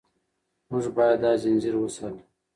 موږ باید دا ځنځیر وساتو.